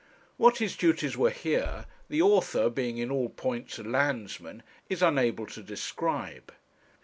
What his duties were here, the author, being in all points a landsman, is unable to describe.